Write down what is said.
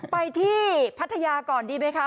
ไปที่พัทยาก่อนดีไหมคะ